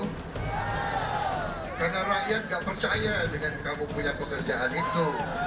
karena rakyat gak percaya dengan kamu punya pekerjaan itu